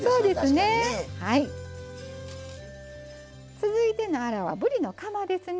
続いてのアラはぶりのカマですね。